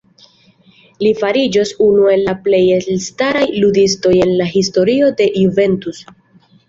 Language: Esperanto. Li fariĝos unu el la plej elstaraj ludistoj en la historio de Juventus.